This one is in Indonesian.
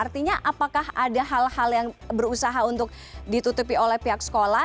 artinya apakah ada hal hal yang berusaha untuk ditutupi oleh pihak sekolah